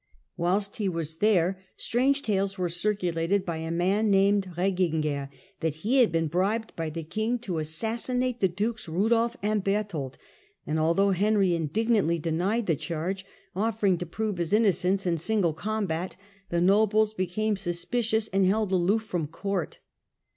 Whilst he was there strange tales were circulated by a man named Reginger, that he had been bribed by the king to assassinate the dukes Rudolf and Berthold, and al though Henry indignantly denied the charge, offering to prove his innocence in single combat, the nobles became suspicious and held aloof from court.